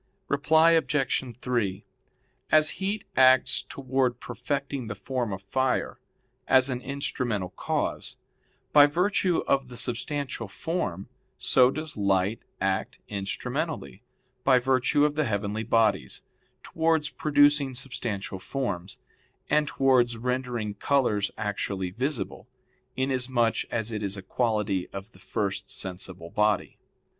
Reply Obj. 3: As heat acts towards perfecting the form of fire, as an instrumental cause, by virtue of the substantial form, so does light act instrumentally, by virtue of the heavenly bodies, towards producing substantial forms; and towards rendering colors actually visible, inasmuch as it is a quality of the first sensible body.